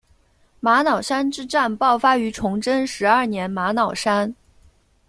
玛瑙山之战爆发于崇祯十二年玛瑙山。